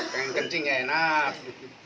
pengen kencing ya enak